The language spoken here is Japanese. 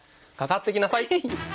「かかって来なさい！」。